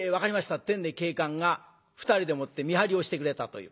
ってんで警官が２人でもって見張りをしてくれたという。